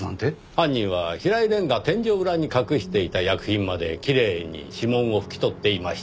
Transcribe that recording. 犯人は平井蓮が天井裏に隠していた薬品まできれいに指紋を拭き取っていました。